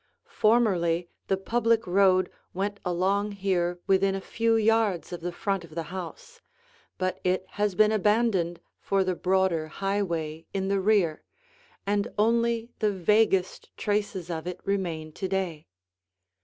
Formerly the public road went along here within a few yards of the front of the house, but it has been abandoned for the broader highway in the rear, and only the vaguest traces of it remain to day.